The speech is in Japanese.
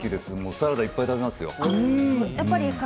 サラダいっぱい食べますよ。